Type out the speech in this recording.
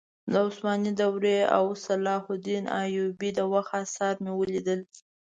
د عثماني دورې او صلاح الدین ایوبي د وخت اثار مې ولیدل.